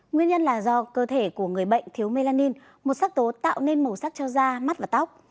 nguyên nhân là do cơ thể của người bệnh thiếu melanin một sắc tố tạo nên màu sắc cho da mắt và tóc